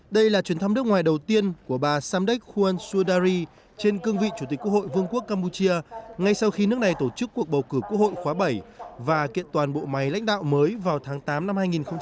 đây là chuyến thăm nước ngoài đầu tiên của bà samdek hun sudari trên cương vị chủ tịch quốc hội vương quốc campuchia ngay sau khi nước này tổ chức cuộc bầu cử quốc hội khóa bảy và kiện toàn bộ máy lãnh đạo mới vào tháng tám năm hai nghìn một mươi chín